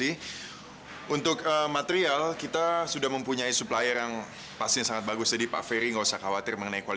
ini kan pertama kalinya aku mulai usaha sendiri semua